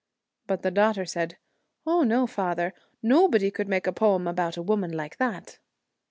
But the daughter said, ' Oh no, father. Nobody could make a poem about a woman like that.'